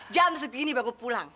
jam segini baru pulang